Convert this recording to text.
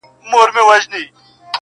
• دغه سپينه سپوږمۍ.